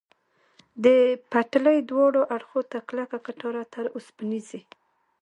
د پټلۍ دواړو اړخو ته کلکه کټاره، تر اوسپنیزې.